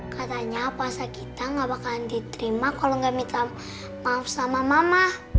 katanya puasa kita gak bakalan diterima kalau nggak minta maaf sama mama